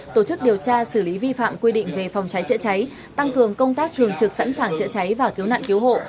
tổ chức điều tra xử lý vi phạm quy định về phòng cháy chữa cháy tăng cường công tác thường trực sẵn sàng chữa cháy và cứu nạn cứu hộ